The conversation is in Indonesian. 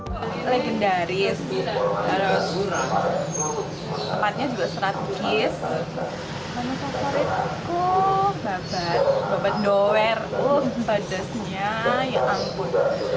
ini legendaris ada waspura tempatnya juga serat kis dan favoritku babat babat doer oh pedasnya ya ampun